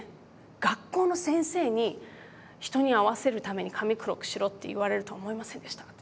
学校の先生に人に合わせるために髪黒くしろって言われると思いませんでしたって。